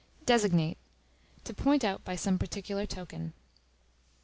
Designate, to point out by some particular token.